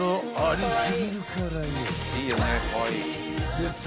［絶対］